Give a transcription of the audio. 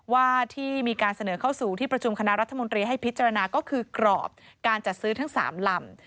ว่าที่มีการเสนอเข้าสู่ที่ประชุมคณะรัฐมนตรีให้พิจารณาก็คือกรอบการจัดซื้อทั้ง๓ลำ